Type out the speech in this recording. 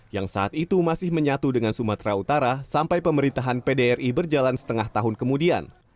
yang saat itu masih menyatu dengan sumatera utara sampai pemerintahan pdri berjalan setengah tahun kemudian